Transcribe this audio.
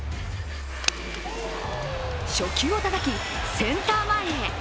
初球をたたきセンター前へ。